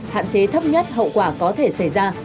hạn chế thấp nhất hậu quả có thể xảy ra